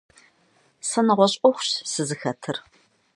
Сэ нэгъуэщӏ ӏуэхущ сызыхэтыр.